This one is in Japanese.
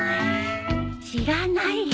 知らないよ